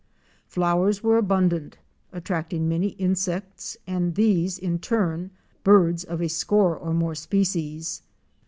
Flowers were abundant, attracting many insects and these in turn birds of a score or more species.